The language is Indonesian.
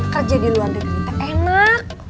kerja di luar negeri enak